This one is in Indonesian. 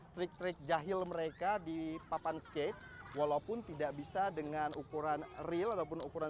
trik trik jahil mereka di papan skate walaupun tidak bisa dengan ukuran real ataupun ukuran